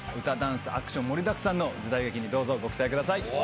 歌ダンスアクション盛りだくさんの時代劇にどうぞご期待ください。